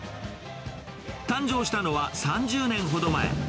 誕生したのは３０年ほど前。